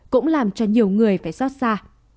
cũng làm cho nhiều người phải xót xa